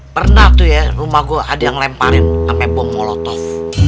pernah tuh ya rumah gue ada yang lemparin sampai bom molotov